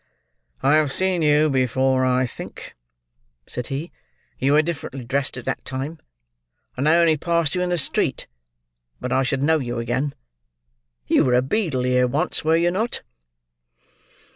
"I have seen you before, I think?" said he. "You were differently dressed at that time, and I only passed you in the street, but I should know you again. You were beadle here, once; were you not?"